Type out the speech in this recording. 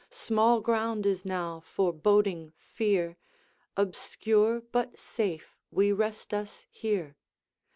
Small ground is now for boding fear; Obscure, but safe, we rest us here.